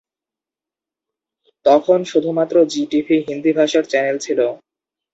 তখন শুধুমাত্র জী টিভি হিন্দি ভাষার চ্যানেল ছিল।